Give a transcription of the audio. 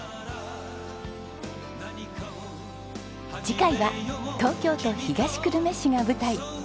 次回は東京都東久留米市が舞台。